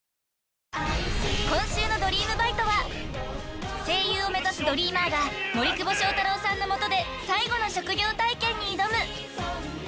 ［今週の『ドリームバイト！』は声優を目指すドリーマーが森久保祥太郎さんの下で最後の職業体験に挑む！］